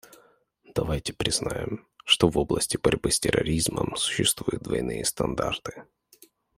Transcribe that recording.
Давайте признаем, что в области борьбы с терроризмом существуют двойные стандарты.